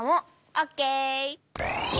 オッケー！